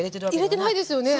入れてないですよね？